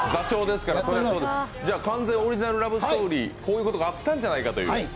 じゃあ、完全オリジナルラブストーリー、こういうことがあったんじゃないかという。